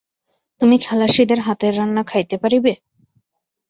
তুমি খালাসিদের হাতের রান্না খাইতে পারিবে?